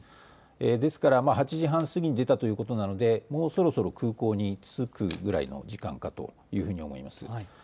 ですから８時半過ぎに出たということなので、もうそろそろ空港に着くぐらいの時間かというふうに思います。